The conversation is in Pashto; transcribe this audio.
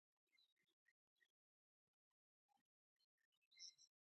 په دې برخه کې نو دای بیا نامي و.